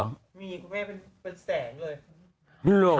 มีคุณแม่เป็นแสงเลย